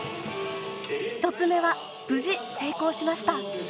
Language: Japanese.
１つ目は無事成功しました。